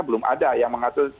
belum ada yang mengatur